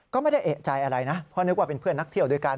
ก็ไม่ได้เอกใจอะไรนะเพราะนึกว่าเป็นเพื่อนนักเที่ยวด้วยกัน